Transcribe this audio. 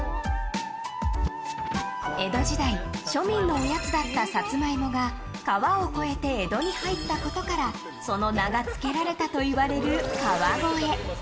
江戸時代、庶民のおやつだったサツマイモが川を越えて江戸に入ったことからその名がつけられたといわれる川越。